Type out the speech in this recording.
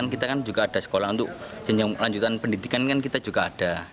kita kan juga ada sekolah untuk jenjang lanjutan pendidikan kan kita juga ada